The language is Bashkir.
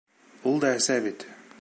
Ул да әсә бит!